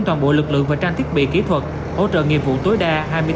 toàn bộ lực lượng và tranh thiết bị kỹ thuật hỗ trợ nghiệp vụ tối đa hai mươi bốn hai mươi bốn